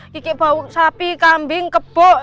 kiki bau sapi kambing kebok